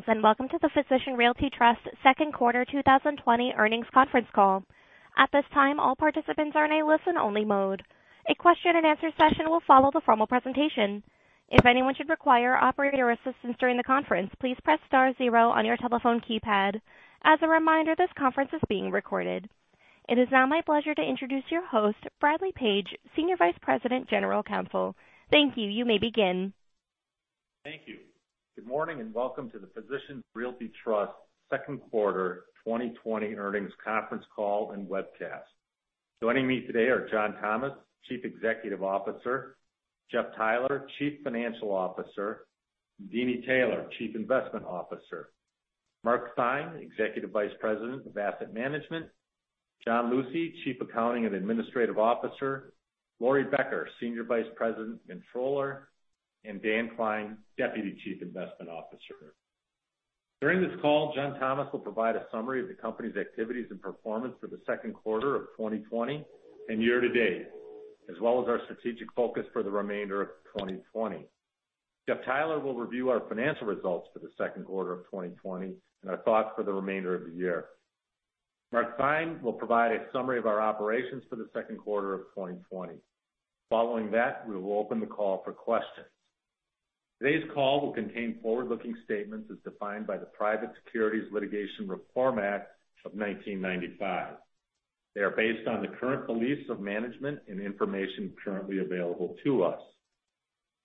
Greetings, welcome to the Physicians Realty Trust second quarter 2020 earnings conference call. At this time, all participants are in a listen-only mode. A question-and-answer session will follow the formal presentation. If anyone should require operator assistance during the conference, please press star zero on your telephone keypad. As a reminder, this conference is being recorded. It is now my pleasure to introduce your host, Bradley Page, Senior Vice President, General Counsel. Thank you. You may begin. Thank you. Good morning, and welcome to the Physicians Realty Trust second quarter 2020 earnings conference call and webcast. Joining me today are John Thomas, Chief Executive Officer. Jeff Theiler, Chief Financial Officer. Deeni Taylor, Chief Investment Officer. Mark Theine, Executive Vice President of Asset Management. John Lucey, Chief Accounting and Administrative Officer. Laurie Becker, Senior Vice President and Controller, and Dan Klein, Deputy Chief Investment Officer. During this call, John Thomas will provide a summary of the company's activities and performance for the second quarter of 2020 and year to date, as well as our strategic focus for the remainder of 2020. Jeff Theiler will review our financial results for the second quarter of 2020 and our thoughts for the remainder of the year. Mark Theine will provide a summary of our operations for the second quarter of 2020. Following that, we will open the call for questions. Today's call will contain forward-looking statements as defined by the Private Securities Litigation Reform Act of 1995. They are based on the current beliefs of management and information currently available to us.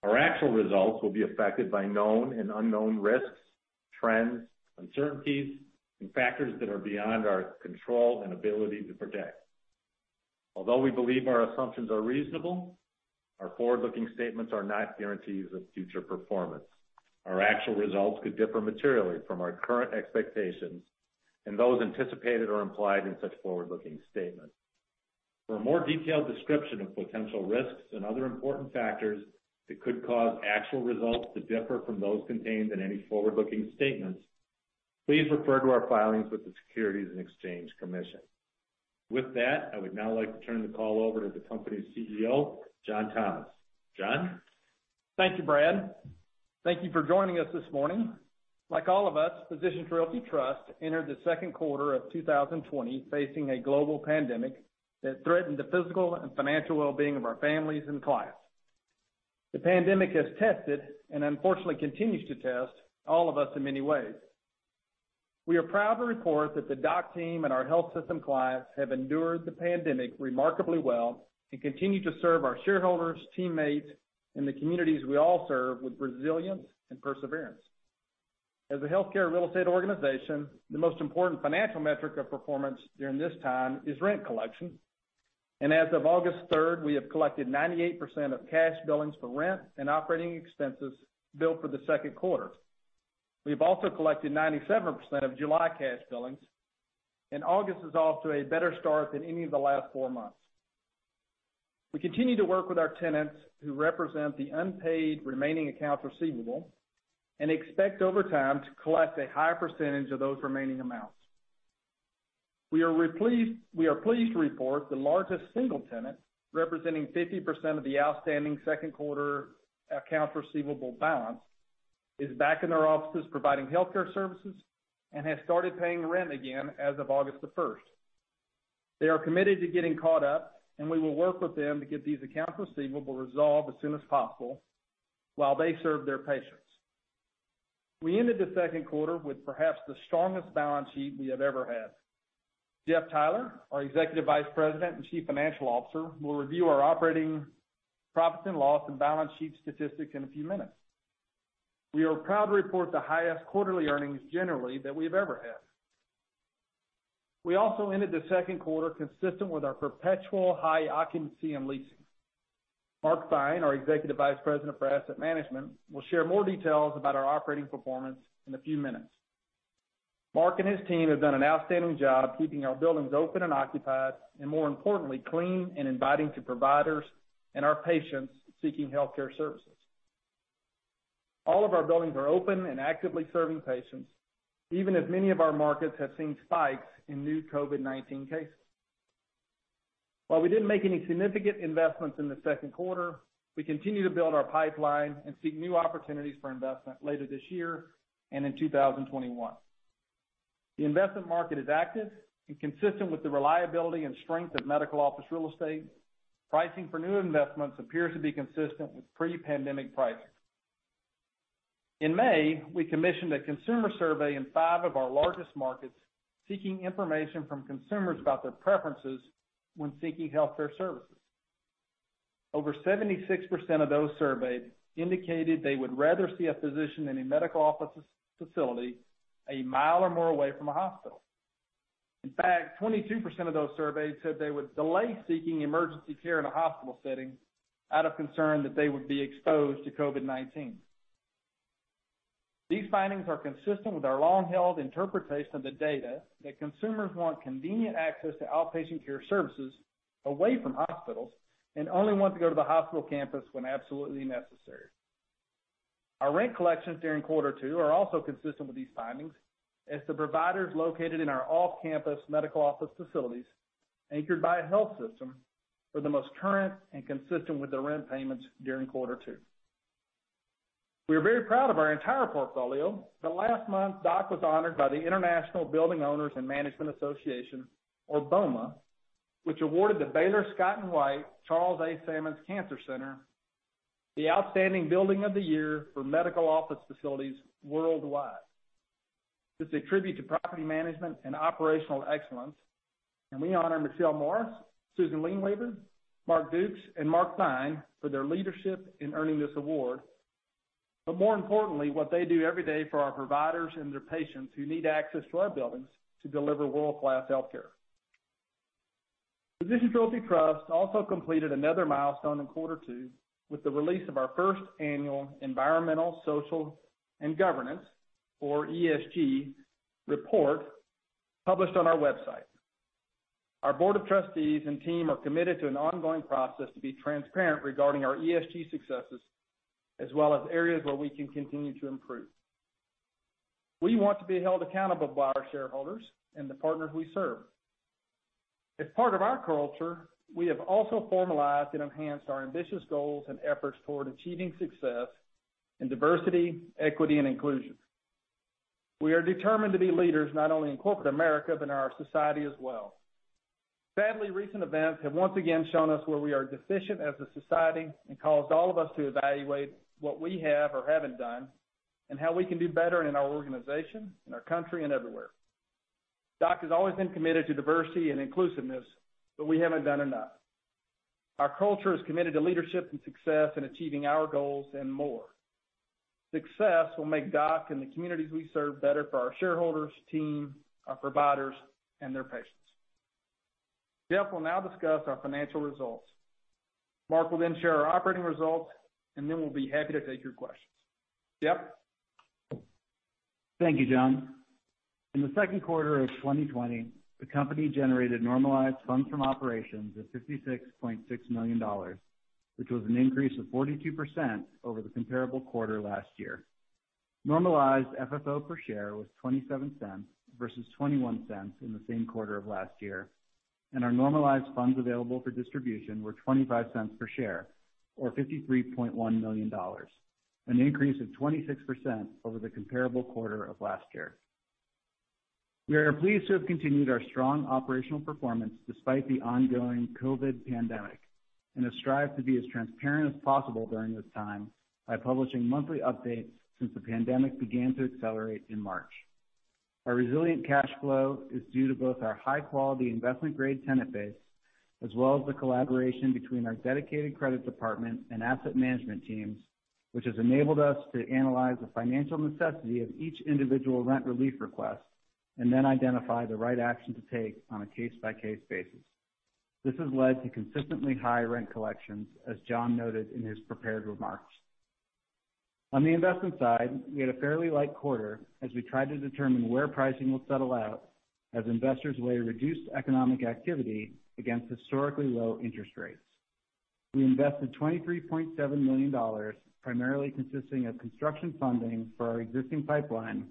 Our actual results will be affected by known and unknown risks, trends, uncertainties, and factors that are beyond our control and ability to predict. Although we believe our assumptions are reasonable, our forward-looking statements are not guarantees of future performance. Our actual results could differ materially from our current expectations and those anticipated or implied in such forward-looking statements. For a more detailed description of potential risks and other important factors that could cause actual results to differ from those contained in any forward-looking statements, please refer to our filings with the Securities and Exchange Commission. With that, I would now like to turn the call over to the company's CEO, John Thomas. John? Thank you, Brad. Thank you for joining us this morning. Like all of us, Physicians Realty Trust entered the second quarter of 2020 facing a global pandemic that threatened the physical and financial well-being of our families and clients. The pandemic has tested, and unfortunately continues to test, all of us in many ways. We are proud to report that the DOC team and our health system clients have endured the pandemic remarkably well and continue to serve our shareholders, teammates, and the communities we all serve with resilience and perseverance. As a healthcare real estate organization, the most important financial metric of performance during this time is rent collection. As of August 3rd, we have collected 98% of cash billings for rent and operating expenses billed for the second quarter. We've also collected 97% of July cash billings, and August is off to a better start than any of the last four months. We continue to work with our tenants who represent the unpaid remaining accounts receivable and expect, over time, to collect a higher percentage of those remaining amounts. We are pleased to report the largest single tenant, representing 50% of the outstanding second quarter accounts receivable balance, is back in their offices providing healthcare services and has started paying rent again as of August 1st. They are committed to getting caught up, and we will work with them to get these accounts receivable resolved as soon as possible while they serve their patients. We ended the second quarter with perhaps the strongest balance sheet we have ever had. Jeff Theiler, our Executive Vice President and Chief Financial Officer, will review our operating profits and losses and balance sheet statistics in a few minutes. We are proud to report the highest quarterly earnings generally that we've ever had. We also ended the second quarter consistent with our perpetual high occupancy and leasing. Mark Theine, our Executive Vice President for Asset Management, will share more details about our operating performance in a few minutes. Mark and his team have done an outstanding job keeping our buildings open and occupied, and more importantly, clean and inviting to providers and our patients seeking healthcare services. All of our buildings are open and actively serving patients, even as many of our markets have seen spikes in new COVID-19 cases. While we didn't make any significant investments in the second quarter, we continue to build our pipeline and seek new opportunities for investment later this year and in 2021. The investment market is active and consistent with the reliability and strength of medical office real estate. Pricing for new investments appears to be consistent with pre-pandemic pricing. In May, we commissioned a consumer survey in five of our largest markets, seeking information from consumers about their preferences when seeking healthcare services. Over 76% of those surveyed indicated they would rather see a physician in a medical office facility a mile or more away from a hospital. In fact, 22% of those surveyed said they would delay seeking emergency care in a hospital setting out of concern that they would be exposed to COVID-19. These findings are consistent with our long-held interpretation of the data that consumers want convenient access to outpatient care services away from hospitals and only want to go to the hospital campus when absolutely necessary. Our rent collections during quarter two are also consistent with these findings, as the providers located in our off-campus medical office facilities, anchored by a health system, were the most current and consistent with the rent payments during quarter two. We are very proud of our entire portfolio, but last month, DOC was honored by the International Building Owners and Managers Association, or BOMA, which awarded the Baylor Scott & White Charles A. Sammons Cancer Center the Outstanding Building of the Year for medical office facilities worldwide. This is a tribute to property management and operational excellence, and we honor Michelle Morris, Susan Lindley, Mark Dukes, and Mark Theine for their leadership in earning this award. More importantly, what they do every day for our providers and their patients who need access to our buildings to deliver world-class healthcare. Physicians Realty Trust also completed another milestone in quarter two with the release of our first annual environmental, social, and governance, or ESG, report published on our website. Our board of trustees and team are committed to an ongoing process to be transparent regarding our ESG successes, as well as areas where we can continue to improve. We want to be held accountable by our shareholders and the partners we serve. As part of our culture, we have also formalized and enhanced our ambitious goals and efforts toward achieving success in diversity, equity, and inclusion. We are determined to be leaders not only in corporate America but in our society as well. Sadly, recent events have once again shown us where we are deficient as a society and caused all of us to evaluate what we have or haven't done, and how we can do better in our organization, in our country, and everywhere. DOC has always been committed to diversity and inclusiveness, but we haven't done enough. Our culture is committed to leadership and success in achieving our goals and more. Success will make DOC and the communities we serve better for our shareholders, team, our providers, and their patients. Jeff will now discuss our financial results. Mark will then share our operating results, and then we'll be happy to take your questions. Jeff? Thank you, John. In the second quarter of 2020, the company generated normalized funds from operations of $56.6 million, which was an increase of 42% over the comparable quarter last year. Normalized FFO per share was $0.27 versus $0.21 in the same quarter of last year. Our normalized funds available for distribution were $0.25 per share or $53.1 million, an increase of 26% over the comparable quarter of last year. We are pleased to have continued our strong operational performance despite the ongoing COVID-19 pandemic and have strived to be as transparent as possible during this time by publishing monthly updates since the pandemic began to accelerate in March. Our resilient cash flow is due to both our high-quality investment-grade tenant base as well as the collaboration between our dedicated credit department and asset management teams, which has enabled us to analyze the financial necessity of each individual rent relief request and then identify the right action to take on a case-by-case basis. This has led to consistently high rent collections, as John noted in his prepared remarks. On the investment side, we had a fairly light quarter as we tried to determine where pricing will settle out as investors weigh reduced economic activity against historically low interest rates. We invested $23.7 million, primarily consisting of construction funding for our existing pipeline,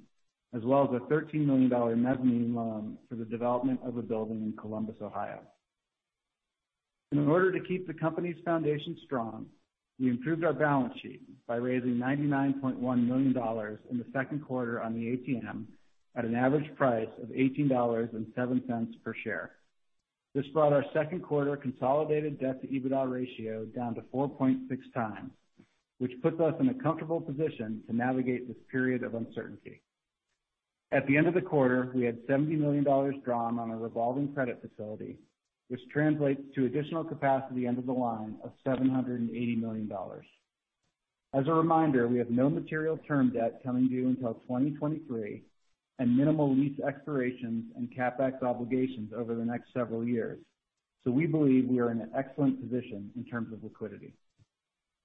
as well as a $13 million mezzanine loan for the development of a building in Columbus, Ohio. In order to keep the company's foundation strong, we improved our balance sheet by raising $99.1 million in the second quarter on the ATM at an average price of $18.07 per share. This brought our second-quarter consolidated debt-to-EBITDA ratio down to 4.6x, which puts us in a comfortable position to navigate this period of uncertainty. At the end of the quarter, we had $70 million drawn on a revolving credit facility, which translates to additional capacity under the line of $780 million. As a reminder, we have no material term debt coming due until 2023 and minimal lease expirations and CapEx obligations over the next several years. We believe we are in an excellent position in terms of liquidity.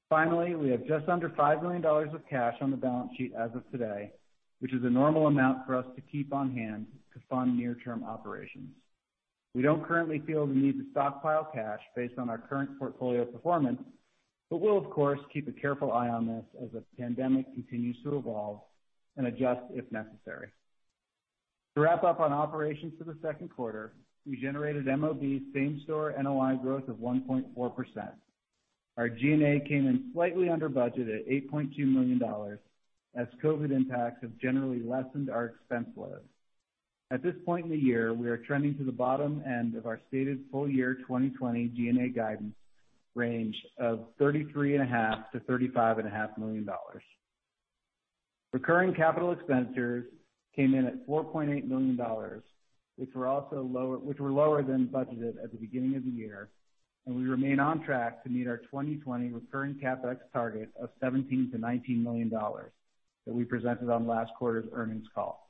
Finally, we have just under $5 million of cash on the balance sheet as of today, which is a normal amount for us to keep on hand to fund near-term operations. We don't currently feel the need to stockpile cash based on our current portfolio performance, but we'll, of course, keep a careful eye on this as the pandemic continues to evolve and adjust if necessary. To wrap up on operations for the second quarter, we generated MOB same-store NOI growth of 1.4%. Our G&A came in slightly under budget at $8.2 million, as COVID impacts have generally lessened our expense load. At this point in the year, we are trending to the bottom end of our stated full-year 2020 G&A guidance range of $33.5 million-$35.5 million. Recurring capital expenditures came in at $4.8 million, which were lower than budgeted at the beginning of the year, and we remain on track to meet our 2020 recurring CapEx target of $17 million-$19 million that we presented on last quarter's earnings call.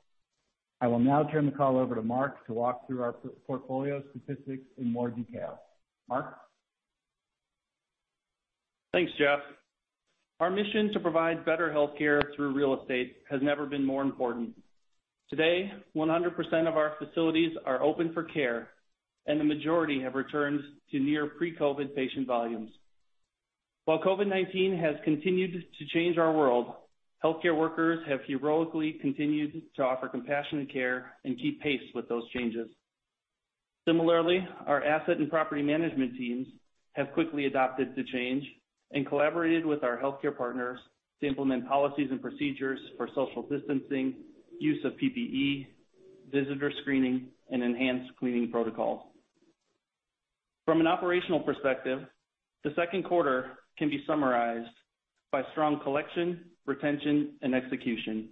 I will now turn the call over to Mark to walk through our portfolio statistics in more detail. Mark? Thanks, Jeff. Our mission to provide better healthcare through real estate has never been more important. Today, 100% of our facilities are open for care, and the majority have returned to near pre-COVID-19 patient volumes. While COVID-19 has continued to change our world, healthcare workers have heroically continued to offer compassionate care and keep pace with those changes. Similarly, our asset and property management teams have quickly adapted to change and collaborated with our healthcare partners to implement policies and procedures for social distancing, use of PPE, visitor screening, and enhanced cleaning protocols. From an operational perspective, the second quarter can be summarized by strong collection, retention, and execution.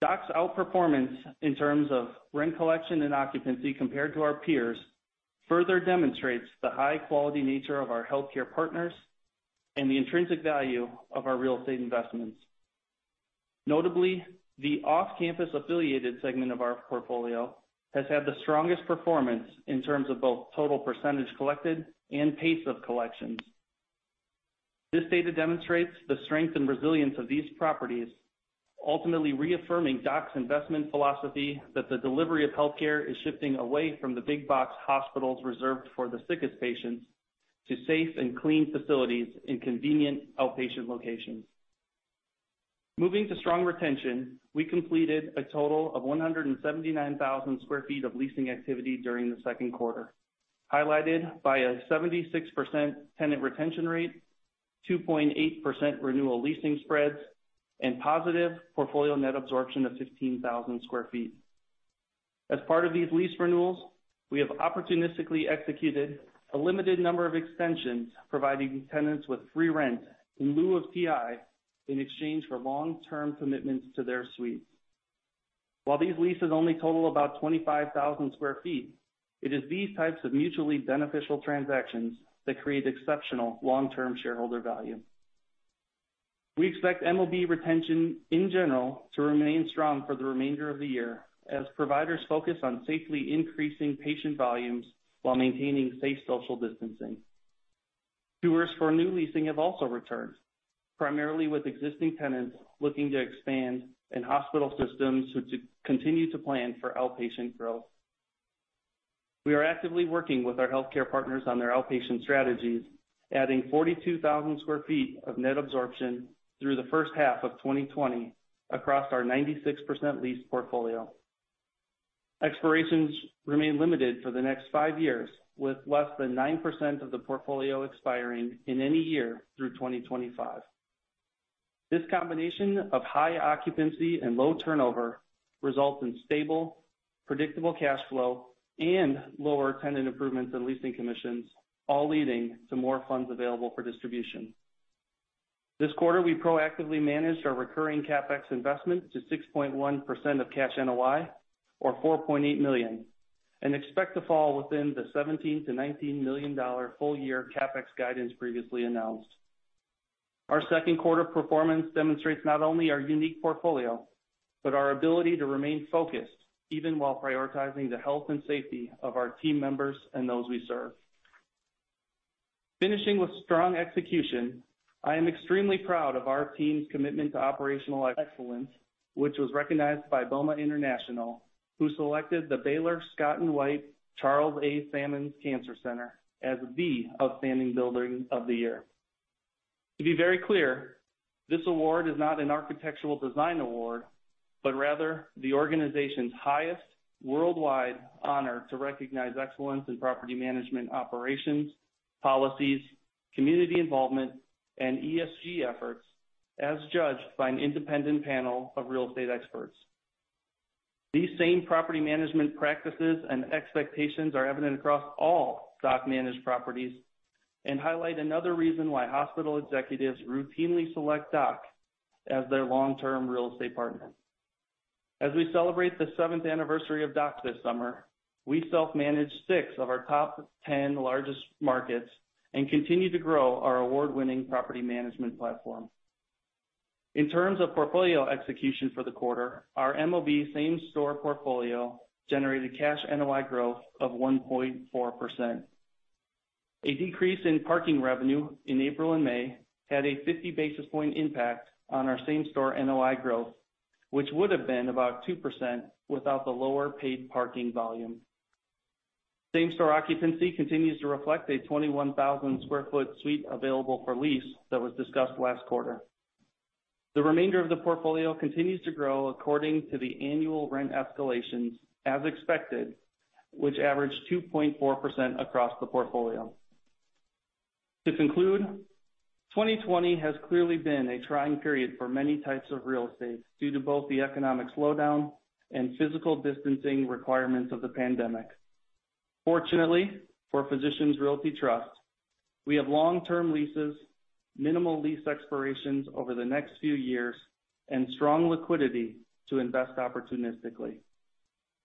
DOC's outperformance in terms of rent collection and occupancy compared to our peers further demonstrates the high-quality nature of our healthcare partners and the intrinsic value of our real estate investments. Notably, the Off-Campus affiliated segment of our portfolio has had the strongest performance in terms of both total percentage collected and pace of collections. This data demonstrates the strength and resilience of these properties, ultimately reaffirming DOC's investment philosophy that the delivery of health care is shifting away from the big box hospitals reserved for the sickest patients to safe and clean facilities in convenient outpatient locations. Moving to strong retention, we completed a total of 179,000 sq ft of leasing activity during the second quarter, highlighted by a 76% tenant retention rate, 2.8% renewal leasing spreads, and positive portfolio net absorption of 15,000 sq ft. As part of these lease renewals, we have opportunistically executed a limited number of extensions, providing tenants free rent in lieu of TI in exchange for long-term commitments to their suites. While these leases only total about 25,000 sq ft, it is these types of mutually beneficial transactions that create exceptional long-term shareholder value. We expect MOB retention in general to remain strong for the remainder of the year as providers focus on safely increasing patient volumes while maintaining safe social distancing. Viewers for new leasing have also returned, primarily with existing tenants looking to expand and hospital systems to continue to plan for outpatient growth. We are actively working with our healthcare partners on their outpatient strategies, adding 42,000 sq ft of net absorption through the first half of 2020 across our 96% leased portfolio. Expirations remain limited for the next five years, with less than 9% of the portfolio expiring in any year through 2025. This combination of high occupancy and low turnover results in stable, predictable cash flow and lower tenant improvements in leasing commissions, all leading to more funds available for distribution. This quarter, we proactively managed our recurring CapEx investment to 6.1% of cash NOI, or $4.8 million, and expect to fall within the $17 million-$19 million full year CapEx guidance previously announced. Our second quarter performance demonstrates not only our unique portfolio but our ability to remain focused even while prioritizing the health and safety of our team members and those we serve. Finishing with strong execution, I am extremely proud of our team's commitment to operational excellence, which was recognized by BOMA International, which selected the Baylor Scott & White Charles A. Sammons Cancer Center as the Outstanding Building of the Year. To be very clear, this award is not an architectural design award, but rather the organization's highest worldwide honor to recognize excellence in property management operations, policies, community involvement, and ESG efforts, as judged by an independent panel of real estate experts. These same property management practices and expectations are evident across all DOC-managed properties and highlight another reason why hospital executives routinely select DOC as their long-term real estate partner. As we celebrate the seventh anniversary of DOC this summer, we self-manage six of our top 10 largest markets and continue to grow our award-winning property management platform. In terms of portfolio execution for the quarter, our MOB same-store portfolio generated cash NOI growth of 1.4%. A decrease in parking revenue in April and May had a 50 basis point impact on our same-store NOI growth, which would have been about 2% without the lower paid parking volume. Same-store occupancy continues to reflect a 21,000 sq ft suite available for lease that was discussed last quarter. The remainder of the portfolio continues to grow according to the annual rent escalations, as expected, which averaged 2.4% across the portfolio. To conclude, 2020 has clearly been a trying period for many types of real estate due to both the economic slowdown and physical distancing requirements of the pandemic. Fortunately, for Physicians Realty Trust, we have long-term leases, minimal lease expirations over the next few years, and strong liquidity to invest opportunistically.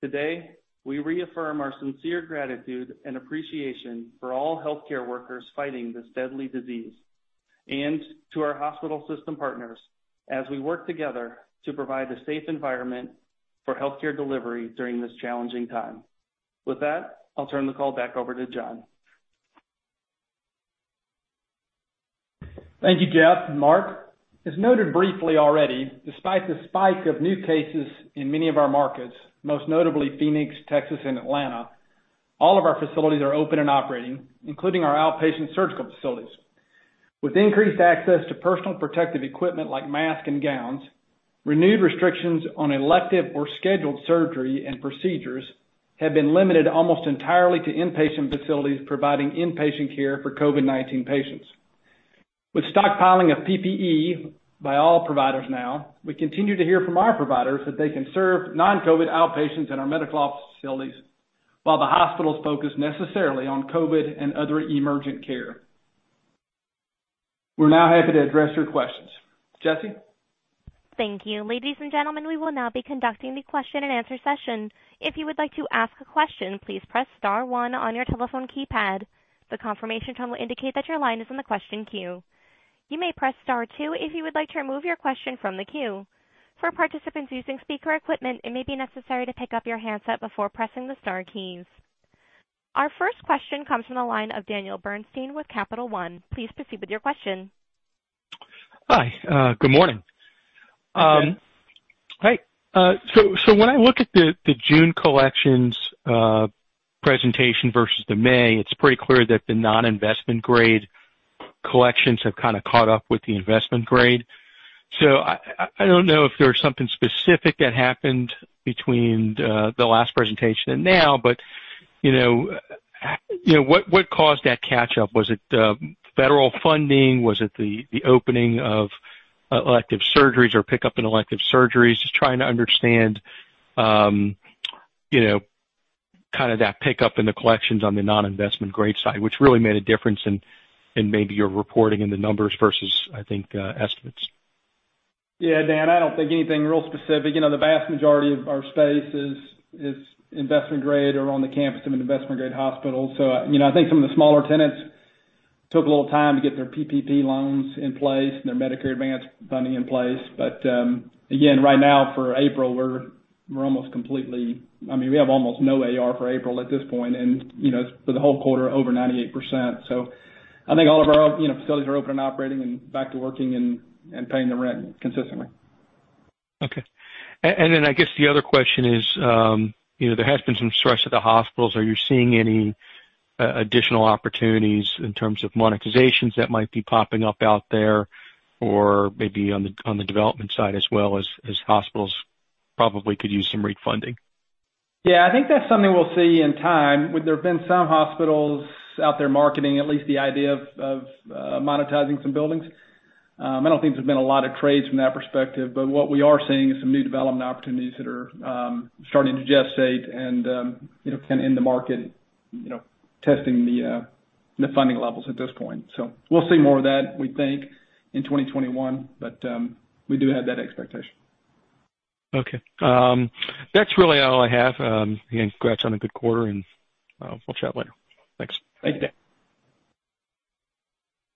Today, we reaffirm our sincere gratitude and appreciation for all healthcare workers fighting this deadly disease and to our hospital system partners as we work together to provide a safe environment for healthcare delivery during this challenging time. With that, I'll turn the call back over to John. Thank you, Jeff and Mark. As noted briefly already, despite the spike of new cases in many of our markets, most notably Phoenix, Texas, and Atlanta. All of our facilities are open and operating, including our outpatient surgical facilities. With increased access to personal protective equipment like masks and gowns, renewed restrictions on elective or scheduled surgery and procedures have been limited almost entirely to inpatient facilities providing inpatient care for COVID-19 patients. With stockpiling of PPE by all providers now, we continue to hear from our providers that they can serve non-COVID outpatients in our medical office facilities while the hospitals focus necessarily on COVID and other emergent care. We're now happy to address your questions. Jesse? Thank you. Ladies and gentlemen, we will now be conducting the question-and-answer session. If you would like to ask a question, please press star one on your telephone keypad. The confirmation tone will indicate that your line is in the question queue. You may press star two if you would like to remove your question from the queue. For participants using speaker equipment, it may be necessary to pick up your handset before pressing the star keys. Our first question comes from the line of Daniel Bernstein with Capital One. Please proceed with your question. Hi. Good morning. Hi, Dan. Hi. When I look at the June collections presentation versus the May, it's pretty clear that the non-investment-grade collections have kind of caught up with the investment-grade. I don't know if there was something specific that happened between the last presentation and now, but what caused that catch-up? Was it federal funding? Was it the opening of elective surgeries or a pickup in elective surgeries? Just trying to understand that pick up in the collections on the non-investment-grade side, which really made a difference in maybe your reporting in the numbers versus, I think, estimates. Yeah, Dan, I don't think anything real specific. The vast majority of our space is investment-grade or on the campus of an investment-grade hospital. I think some of the smaller tenants took a little time to get their PPP loans in place and their Medicare advance funding in place. Again, right now, for April, we have almost no AR for April at this point, and for the whole quarter, over 98%. I think all of our facilities are open and operating, and back to working and paying the rent consistently. Okay. I guess the other question is, there has been some stress at the hospitals. Are you seeing any additional opportunities in terms of monetizations that might be popping up out there, or maybe on the development side, as well as hospitals, probably could use some refunding? Yeah, I think that's something we'll see in time. There have been some hospitals out there marketing at least the idea of monetizing some buildings. I don't think there's been a lot of trades from that perspective, but what we are seeing is some new development opportunities that are starting to gestate and are kind of in the market, testing the funding levels at this point. We'll see more of that, we think, in 2021. We do have that expectation. Okay. That's really all I have. Again, congrats on a good quarter, and we'll chat later. Thanks. Thanks, Dan.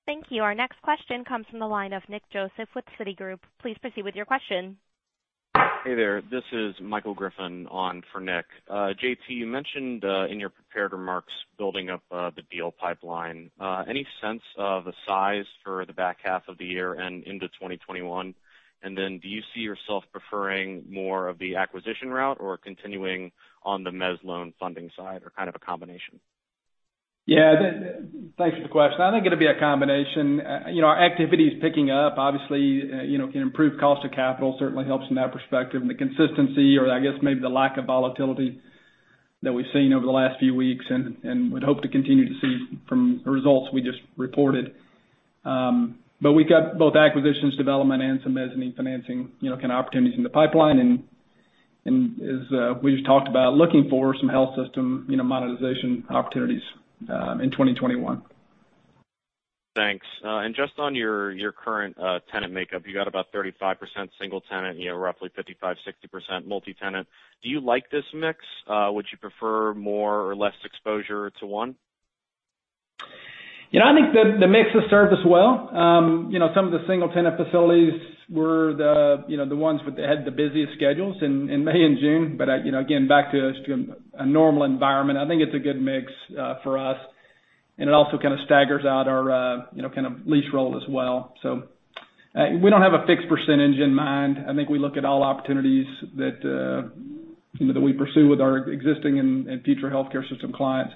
Thank you. Our next question comes from the line of Nick Joseph with Citigroup. Please proceed with your question. Hey there. This is Michael Griffin on for Nick. J.T., you mentioned in your prepared remarks building up the deal pipeline. Any sense of a size for the back half of the year and into 2021? Do you see yourself preferring more of the acquisition route or continuing on the mezz loan funding side, or kind of a combination? Yeah. Thanks for the question. I think it'll be a combination. Our activity's picking up. Obviously, improved cost of capital certainly helps from that perspective, and the consistency, or I guess maybe the lack of volatility that we've seen over the last few weeks, and would hope to continue to see from the results we just reported. We've got both acquisitions, development, and some mezzanine financing kind of opportunities in the pipeline, and as we just talked about, looking for some health system monetization opportunities in 2021. Thanks. Just on your current tenant makeup, you got about 35% single tenant, roughly 55%, 60% multi-tenant. Do you like this mix? Would you prefer more or less exposure to one? I think the mix has served us well. Some of the single-tenant facilities were the ones that had the busiest schedules in May and June. Again, back to a normal environment, I think it's a good mix for us, and it also kind of staggers out our lease roll as well. We don't have a fixed percentage in mind. I think we look at all opportunities that we pursue with our existing and future healthcare system clients.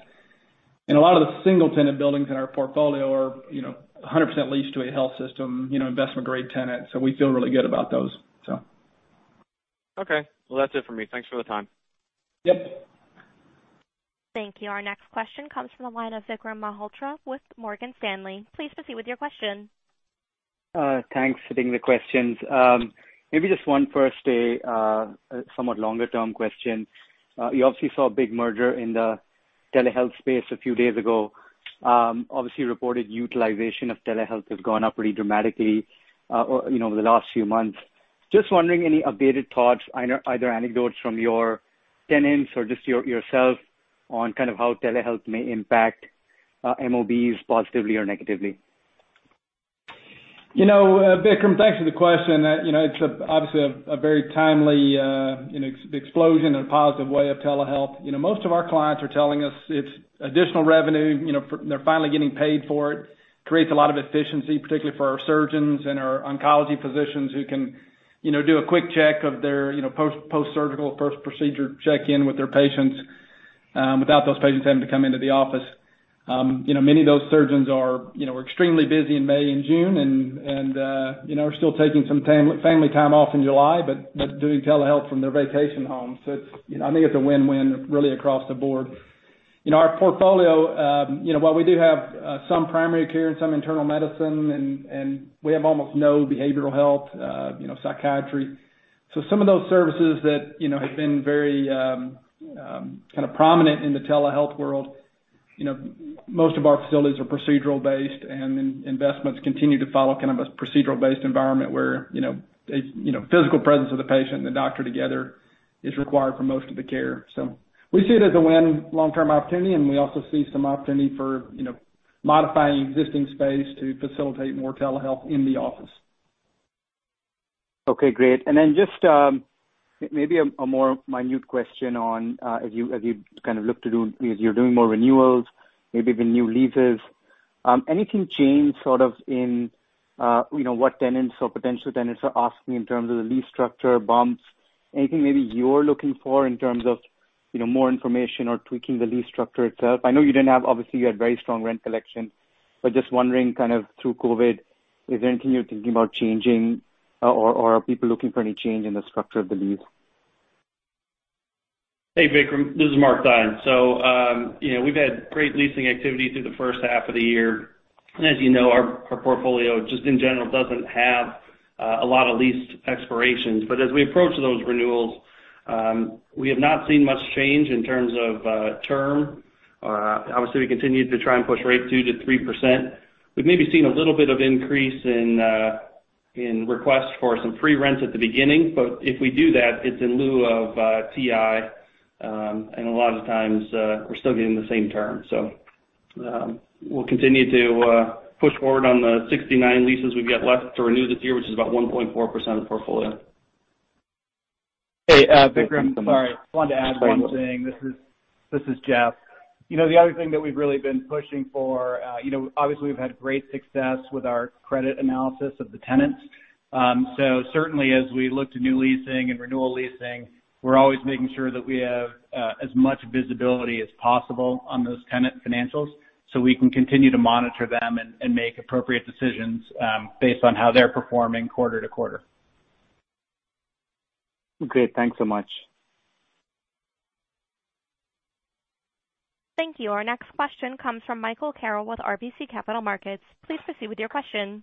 A lot of the single-tenant buildings in our portfolio are 100% leased to a health system, investment-grade tenant. We feel really good about those. Okay. Well, that's it for me. Thanks for the time. Yep. Thank you. Our next question comes from the line of Vikram Malhotra with Morgan Stanley. Please proceed with your question. Thanks for taking the questions. Maybe just one first, a somewhat longer-term question. You obviously saw a big merger in the telehealth space a few days ago. Obviously, reported utilization of telehealth has gone up pretty dramatically over the last few months. Just wondering any updated thoughts, either anecdotes from your tenants or just yourself, on kind of how telehealth may impact MOBs positively or negatively? Vikram, thanks for the question. It's obviously a very timely explosion in a positive way of telehealth. Most of our clients are telling us it's additional revenue. They're finally getting paid for it. Creates a lot of efficiency, particularly for our surgeons and our oncology physicians who can do a quick check of their post-surgical, post-procedure check-in with their patients, without those patients having to come into the office. Many of those surgeons are extremely busy in May and June, and are still taking some family time off in July, but doing telehealth from their vacation homes. I think it's a win-win, really, across the board. In our portfolio, while we do have some primary care and some internal medicine, and we have almost no behavioral health, psychiatry. Some of those services that have been very prominent in the telehealth world, most of our facilities are procedural-based, and investments continue to follow a procedural-based environment where the physical presence of the patient and the doctor together is required for most of the care. We see it as a long-term win, and we also see some opportunity for modifying existing space to facilitate more telehealth in the office. Okay, great. Just maybe a more minute question on, as you're doing more renewals, maybe even new leases. Anything change sort of in what tenants or potential tenants are asking in terms of the lease structure bumps? Anything, maybe you're looking for in terms of more information or tweaking the lease structure itself? I know you didn't have, obviously, you had very strong rent collection, but just wondering, kind of through COVID-19, is there anything you're thinking about changing, or are people looking for any change in the structure of the lease? Hey, Vikram, this is Mark Theine. We've had great leasing activity through the first half of the year. As you know, our portfolio, just in general, doesn't have a lot of lease expirations. As we approach those renewals, we have not seen much change in terms of terms. Obviously, we continue to try and push rates 2%-3%. We've maybe seen a little bit of an increase in requests for free rent at the beginning. If we do that, it's in lieu of TI. A lot of times, we're still getting the same term. We'll continue to push forward on the 69 leases we've got left to renew this year, which is about 1.4% of the portfolio. Hey, Vikram. Sorry. I just wanted to add one thing. This is Jeff. The other thing that we've really been pushing for, obviously, we've had great success with our credit analysis of the tenants. Certainly, as we look to new leasing and renewal leasing, we're always making sure that we have as much visibility as possible on those tenant financials, so we can continue to monitor them and make appropriate decisions based on how they're performing quarter-to-quarter. Great. Thanks so much. Thank you. Our next question comes from Michael Carroll with RBC Capital Markets. Please proceed with your question.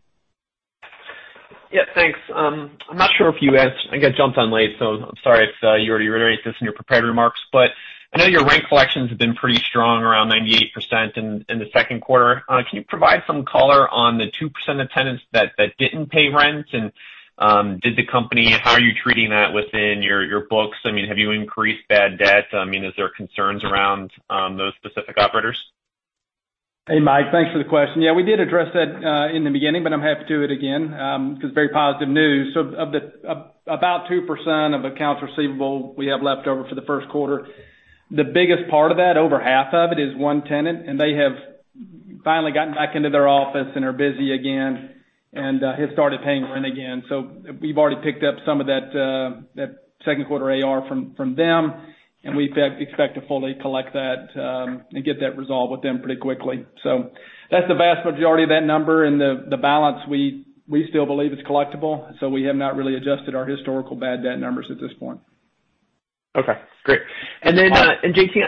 Yeah, thanks. I'm not sure if you asked, I jumped on late, so I'm sorry if you already reiterated this in your prepared remarks, but I know your rent collections have been pretty strong, around 98% in the second quarter. Can you provide some color on the 2% of tenants that didn't pay rent? How are you treating that within your books? Have you increased bad debt? Is there concerns around those specific operators? Hey, Mike, thanks for the question. Yeah, we did address that in the beginning, but I'm happy to do it again, because of the very positive news. About 2% of accounts receivable we have left over for the first quarter. The biggest part of that, over half of it, is one tenant, and they have finally gotten back into their office and are busy again, and have started paying rent again. We've already picked up some of that second-quarter AR from them, and we expect to fully collect that and get that resolved with them pretty quickly. That's the vast majority of that number. The balance, we still believe, is collectible; we have not really adjusted our historical bad debt numbers at this point. Okay, great. Then, J.T.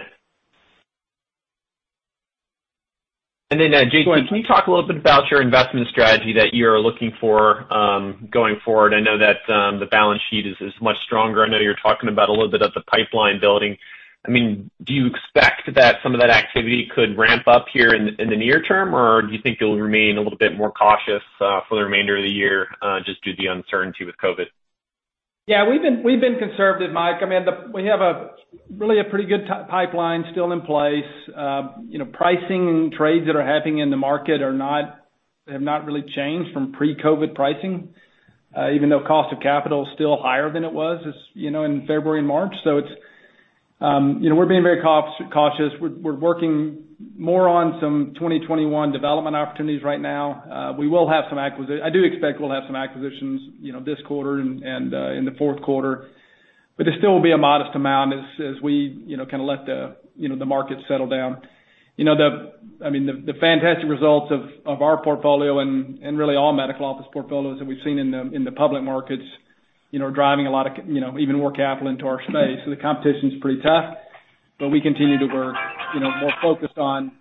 Go ahead. Can you talk a little bit about your investment strategy that you're looking for going forward? I know that the balance sheet is much stronger. I know you're talking about a little bit of the pipeline building. Do you expect that some of that activity could ramp up here in the near term, or do you think you'll remain a little bit more cautious for the remainder of the year, just due to the uncertainty with COVID-19? Yeah, we've been conservative, Mike. We have really a pretty good pipeline still in place. Pricing trades that are happening in the market have not really changed from pre-COVID pricing, even though the cost of capital is still higher than it was in February and March. We're being very cautious. We're working more on some 2021 development opportunities right now. I do expect we'll have some acquisitions this quarter and in the fourth quarter. There still will be a modest amount as we kind of let the market settle down. The fantastic results of our portfolio and really all medical office portfolios that we've seen in the public markets are driving even more capital into our space. The competition's pretty tough. We continue to work more focused on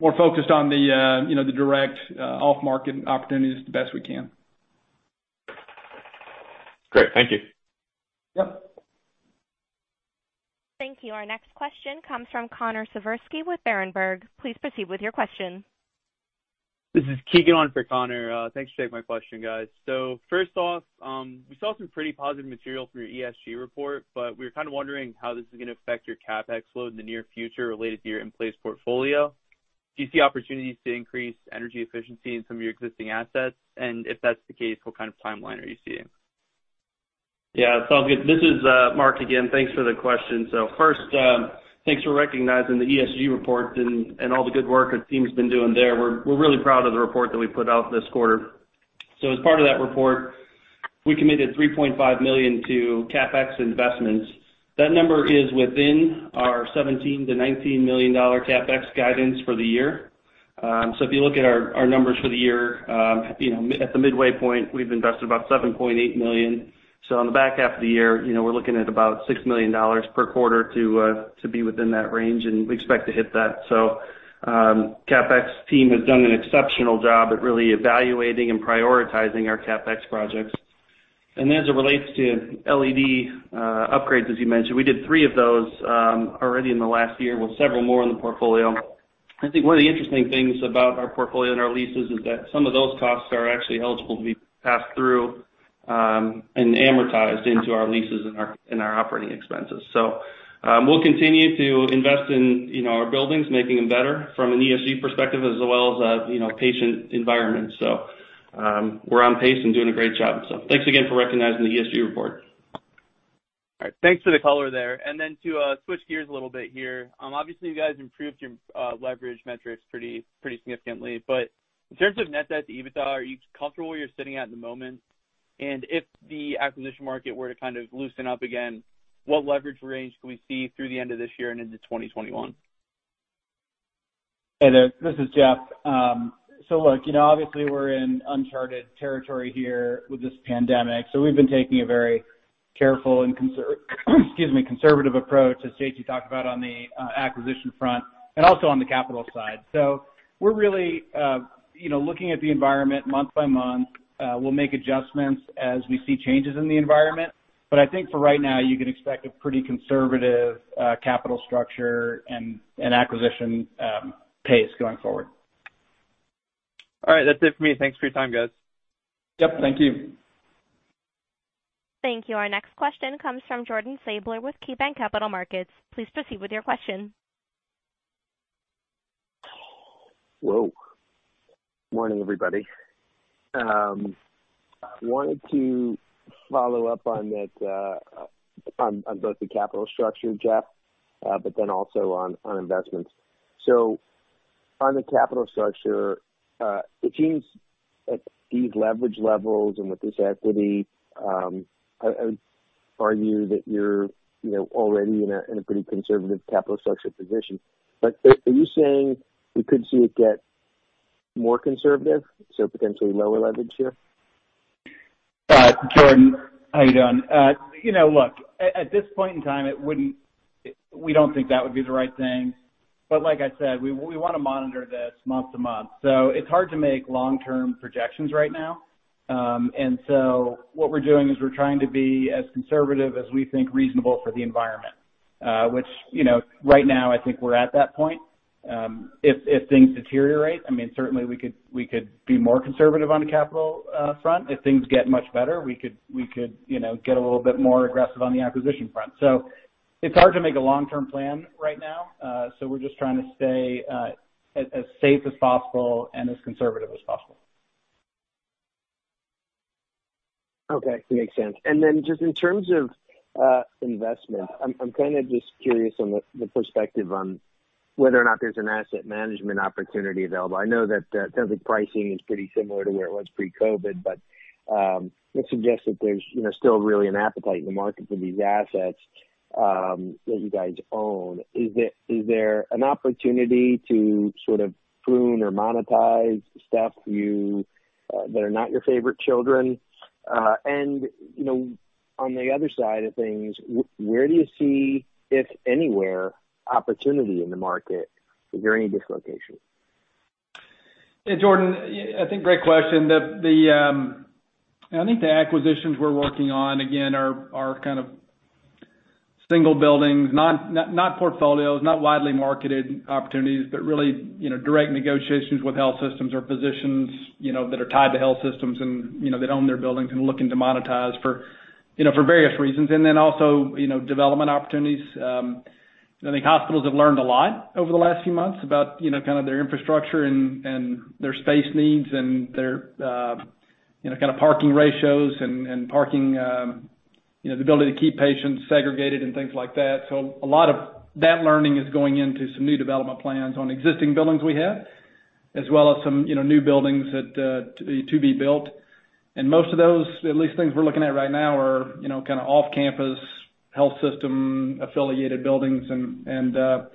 the direct off-market opportunities, the best we can. Great. Thank you. Yep. Thank you. Our next question comes from Connor Siversky with Berenberg. Please proceed with your question. This is Keegan on for Connor. Thanks for taking my question, guys. First off, we saw some pretty positive material from your ESG report, but we were kind of wondering how this is going to affect your CapEx flow in the near future, related to your in-place portfolio. Do you see opportunities to increase energy efficiency in some of your existing assets? If that's the case, what kind of timeline are you seeing? Yeah. Carl, this is Mark again. Thanks for the question. First, thanks for recognizing the ESG report and all the good work our team's been doing there. We're really proud of the report that we put out this quarter. As part of that report, we committed $3.5 million to CapEx investments. That number is within our $17 million-$19 million CapEx guidance for the year. If you look at our numbers for the year, at the midway point, we've invested about $7.8 million. On the back half of the year, we're looking at about $6 million per quarter to be within that range, and we expect to hit that. CapEx team has done an exceptional job at really evaluating and prioritizing our CapEx projects. As it relates to LED upgrades, as you mentioned, we did three of those already in the last year, with several more in the portfolio. I think one of the interesting things about our portfolio and our leases is that some of those costs are actually eligible to be passed through and amortized into our leases and our operating expenses. We'll continue to invest in our buildings, making them better from an ESG perspective as well as a patient environment. We're on pace and doing a great job. Thanks again for recognizing the ESG report. All right. Thanks for the color there. To switch gears a little bit here. Obviously, you guys improved your leverage metrics pretty significantly. In terms of net debt to EBITDA, are you comfortable where you're sitting at the moment? If the acquisition market were to kind of loosen up again, what leverage range can we see through the end of this year and into 2021? Hey there, this is Jeff. Look, obviously, we're in uncharted territory here with this pandemic. We've been taking a very careful, and excuse me, conservative approach, as J.T. talked about on the acquisition front and also on the capital side. We're really looking at the environment month by month. We'll make adjustments as we see changes in the environment. I think for right now, you can expect a pretty conservative capital structure and acquisition pace going forward. All right. That's it for me. Thanks for your time, guys. Yep. Thank you. Thank you. Our next question comes from Jordan Sadler with KeyBanc Capital Markets. Please proceed with your question. Whoa. Morning, everybody. Wanted to follow up on both the capital structure, Jeff, but then also on investments. On the capital structure, it seems at these leverage levels and with this equity, I would argue that you're already in a pretty conservative capital structure position. Are you saying we could see it get more conservative, so potentially lower leverage here? Jordan, how are you doing? Look, at this point in time, we don't think that would be the right thing. Like I said, we want to monitor this month-to-month. It's hard to make long-term projections right now. What we're doing is we're trying to be as conservative as we think reasonable for the environment, which right now I think we're at that point. If things deteriorate, certainly, we could be more conservative on the capital front. If things get much better, we could get a little bit more aggressive on the acquisition front. It's hard to make a long-term plan right now. We're just trying to stay as safe as possible and as conservative as possible. Okay. Makes sense. Then just in terms of investment, I'm kind of just curious on the perspective on whether or not there's an asset management opportunity available. I know that the pricing is pretty similar to where it was pre-COVID, but it suggests that there's still really an appetite in the market for these assets that you guys own. Is there an opportunity to sort of prune or monetize stuff that are not your favorite children? On the other side of things, where do you see, if anywhere, opportunity in the market, if there are any dislocations? Yeah, Jordan, I think great question. I think the acquisitions we're working on, again, are kind of single buildings, not portfolios, not widely marketed opportunities, but really direct negotiations with health systems or physicians that are tied to health systems and that own their buildings and are looking to monetize for various reasons. Also, development opportunities. I think hospitals have learned a lot over the last few months about kind of their infrastructure and their space needs and their kind of parking ratios and parking, the ability to keep patients segregated, and things like that. A lot of that learning is going into some new development plans on existing buildings we have, as well as some new buildings to be built. Most of those, at least things we're looking at right now, are kind of off-campus health system-affiliated buildings, as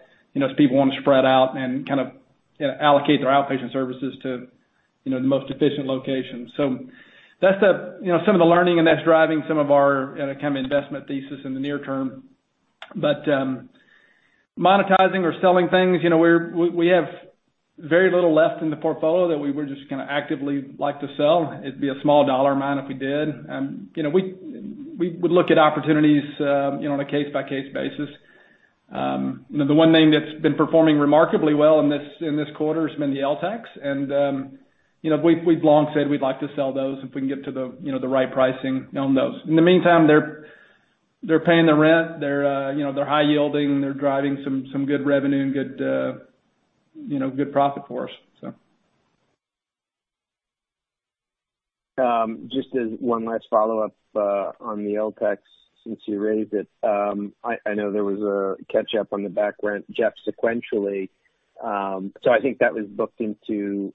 people want to spread out and kind of allocate their outpatient services to the most efficient locations. That's some of the learning, and that's driving some of our kind of investment thesis in the near term. Monetizing or selling things, we have very little left in the portfolio that we would just kind of actively like to sell. It'd be a small dollar amount if we did. We would look at opportunities on a case-by-case basis. The one thing that's been performing remarkably well in this quarter has been the LTACH. We've long said we'd like to sell those if we can get to the right pricing on those. In the meantime, they're paying the rent. They're high-yielding. They're driving some good revenue and good profit for us. Just as one last follow-up on the LTACH, since you raised it. I know there was a catch-up on the back rent, sequentially. I think that was booked into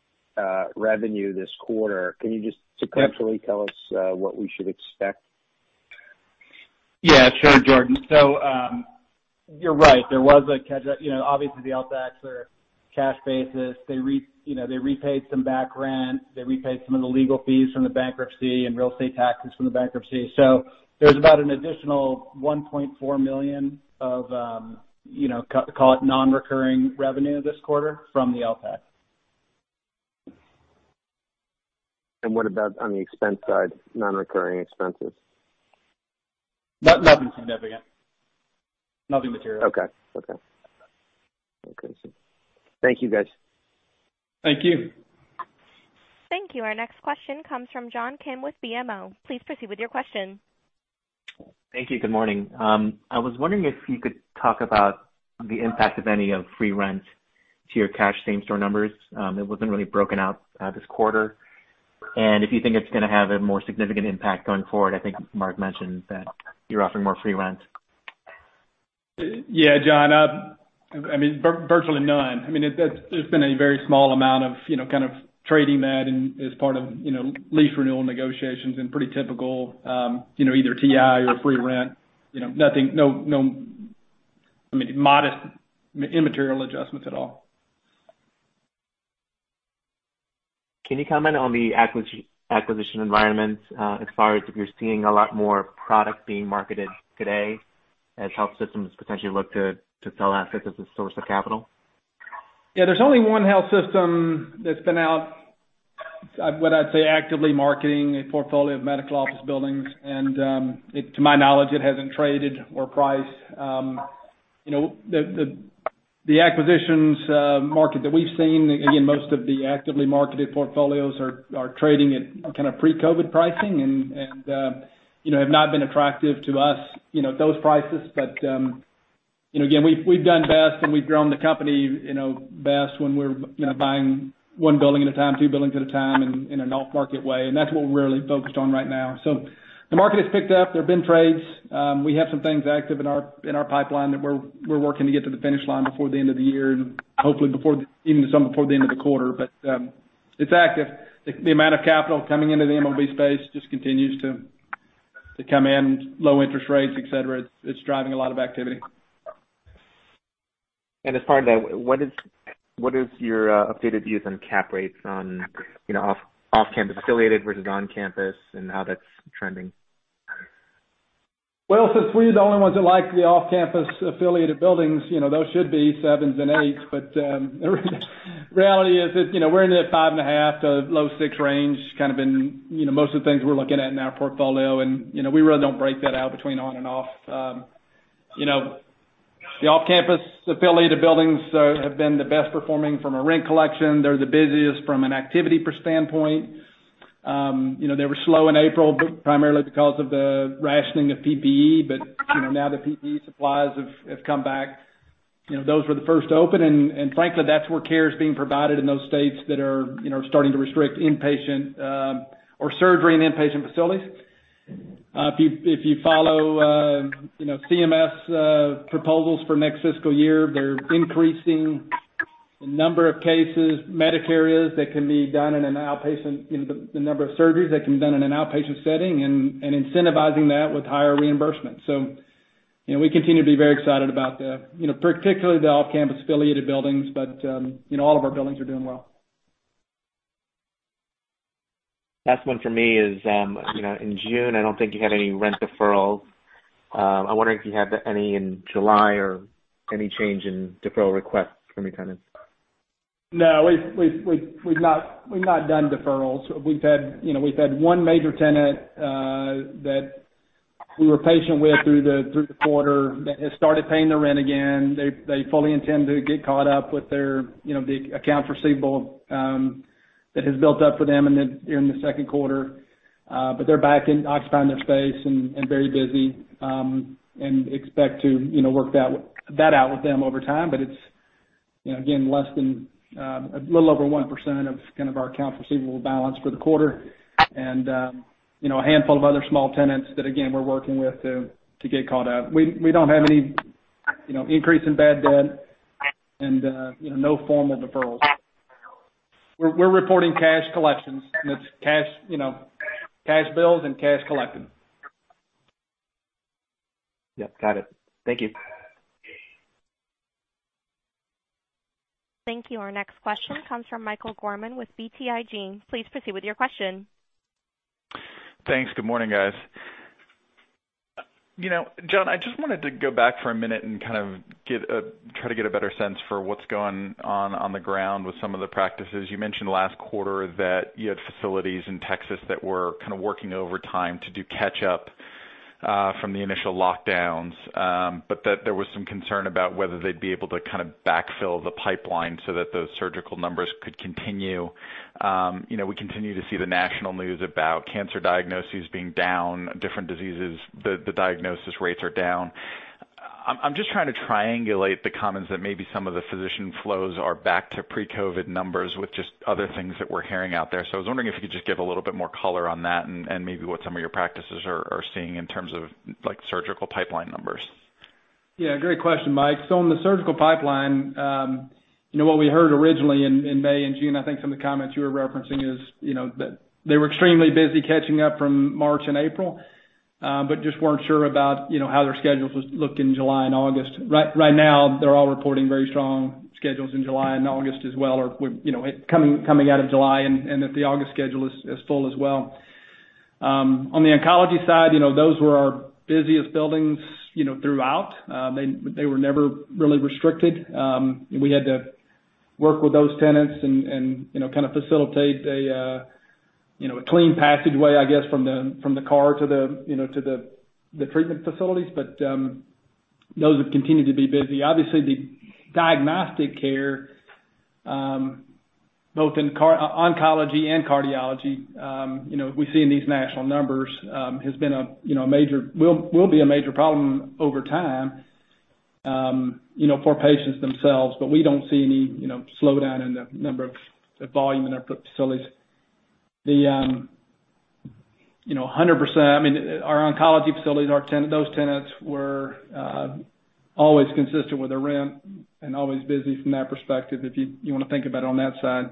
revenue this quarter. Can you just sequentially tell us what we should expect? Yeah, sure, Jordan. You're right. There was a catch-up. Obviously, the LTACH are cash basis. They repaid some back rent. They repaid some of the legal fees from the bankruptcy and real estate taxes from the bankruptcy. There's about an additional $1.4 million of, call it, non-recurring revenue this quarter from the LTACH. What about on the expense side, non-recurring expenses? Nothing significant. Nothing material. Okay. Thank you, guys. Thank you. Thank you. Our next question comes from John Kim with BMO. Please proceed with your question. Thank you. Good morning. I was wondering if you could talk about the impact, if any, free rent to your cash same-store numbers. It wasn't really broken out this quarter. If you think it's going to have a more significant impact going forward. I think Mark mentioned that you're offering more free rent. Yeah, John. Virtually none. There's been a very small amount of kind of trading that as part of lease renewal negotiations, and pretty typical, either TI free rent. modest, immaterial adjustments at all. Can you comment on the acquisition environment, as far as if you're seeing a lot more product being marketed today, as health systems potentially look to sell assets as a source of capital? Yeah, there's only one health system that's been out, what I'd say, actively marketing a portfolio of medical office buildings, and to my knowledge, it hasn't traded or priced. The acquisitions market that we've seen, again, most of the actively marketed portfolios are trading at kind of pre-COVID pricing and have not been attractive to us, those prices. Again, we've done best, and we've grown the company best when we're buying one building at a time, two buildings at a time in an off-market way. That's what we're really focused on right now. The market has picked up. There's been trades. We have some things active in our pipeline that we're working to get to the finish line before the end of the year, and hopefully even some before the end of the quarter. It's active. The amount of capital coming into the MOB space just continues to come in. Low interest rates, et cetera. It's driving a lot of activity. As far as that, what is your updated views on cap rates on off-campus affiliated versus on-campus, and how that's trending? Since we're the only ones that like the off-campus affiliated buildings, those should be sevens and eights. Reality is, we're in the five and a half to low six range, kind of in most of the things we're looking at in our portfolio, and we really don't break that out between on and off. The off-campus affiliated buildings have been the best performing from a rent collection. They're the busiest from an activity standpoint. They were slow in April, but primarily because of the rationing of PPE. Now the PPE supplies have come back. Those were the first to open, and frankly, that's where care is being provided in those states that are starting to restrict inpatient or surgery and inpatient facilities. If you follow CMS proposals for the next fiscal year, they're increasing the number of cases, Medicare that can be done in an outpatient, the number of surgeries that can be done in an outpatient setting, and incentivizing that with higher reimbursement. We continue to be very excited about that, particularly the off-campus affiliated buildings, but all of our buildings are doing well. Last one for me is, in June, I don't think you had any rent deferrals. I wonder if you have any in July or any change in deferral requests from your tenants. No, we've not done deferrals. We've had one major tenant that we were patient with through the quarter that has started paying the rent again. They fully intend to get caught up with the accounts receivable that has built up for them during the second quarter. They're back and occupying their space and are very busy, and expect to work that out with them over time. It's, again, a little over 1% of kind of our accounts receivable balance for the quarter and a handful of other small tenants that, again, we're working with to get caught up. We don't have any increase in bad debt, and no formal deferrals. We're reporting cash collections. That's cash bills and cash collected. Yep, got it. Thank you. Thank you. Our next question comes from Michael Gorman with BTIG. Please proceed with your question. Thanks. Good morning, guys. John, I just wanted to go back for a minute and kind of try to get a better sense for what's going on on the ground with some of the practices. You mentioned last quarter that you had facilities in Texas that were kind of working overtime to do catch up from the initial lockdowns, but that there was some concern about whether they'd be able to kind of backfill the pipeline so that those surgical numbers could continue. We continue to see the national news about cancer diagnoses being down, different diseases, the diagnosis rates are down. I'm just trying to triangulate the comments that maybe some of the physician flows are back to pre-COVID numbers, with just other things that we're hearing out there. I was wondering if you could just give a little bit more color on that, and maybe what some of your practices are seeing in terms of surgical pipeline numbers. Great question, Mike. On the surgical pipeline, what we heard originally in May and June, I think some of the comments you were referencing is that they were extremely busy catching up from March and April, but just weren't sure about how their schedules looked in July and August. Right now, they're all reporting very strong schedules in July and August as well, or coming out of July, and that the August schedule is full as well. On the oncology side, those were our busiest buildings throughout. They were never really restricted. We had to work with those tenants and kind of facilitate a clean passageway, I guess, from the car to the treatment facilities. Those have continued to be busy. Obviously, the diagnostic care, both in oncology and cardiology, we see in these national numbers will be a major problem over time for patients themselves. We don't see any slowdown in the volume in our facilities. 100%, I mean, our oncology facilities, those tenants were always consistent with their rent and always busy from that perspective, if you want to think about on that side.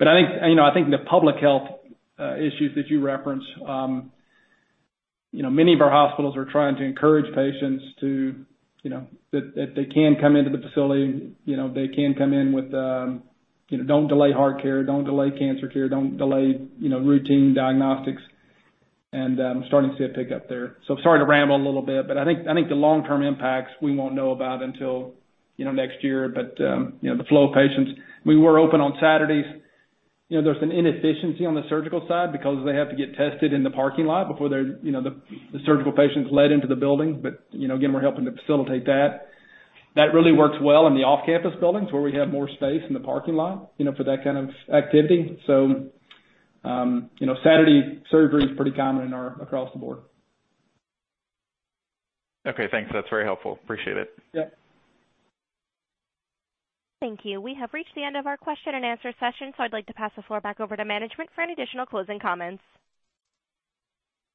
I think the public health issues that you reference, many of our hospitals are trying to encourage patients that they can come into the facility, they can come in. Don't delay heart care, don't delay cancer care, don't delay routine diagnostics. I'm starting to see a pickup there. Sorry to ramble a little bit, but I think the long-term impacts we won't know about until next year. The flow of patients, we were open on Saturdays. There's an inefficiency on the surgical side because they have to get tested in the parking lot before the surgical patients are let into the building. Again, we're helping to facilitate that. That really works well in the off-campus buildings, where we have more space in the parking lot for that kind of activity. Saturday surgery is pretty common across the board. Okay, thanks. That's very helpful. Appreciate it. Yep. Thank you. We have reached the end of our question-and-answer session, so I'd like to pass the floor back over to management for any additional closing comments.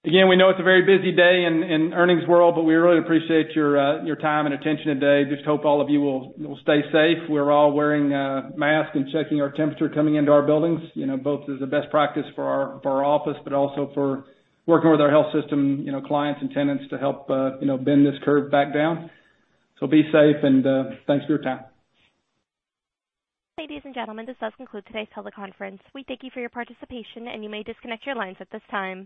Again, we know it's a very busy day in the earnings world, but we really appreciate your time and attention today. Just hope all of you will stay safe. We're all wearing masks and checking our temperature coming into our buildings, both as a best practice for our office, but also for working with our health system clients and tenants to help bend this curve back down. Be safe, and thanks for your time. Ladies and gentlemen, this does conclude today's teleconference. We thank you for your participation, and you may disconnect your lines at this time.